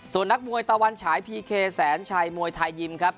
ส่วนนักมวยตะวันฉายพีเคศีรมวยถ่ายยิมครับ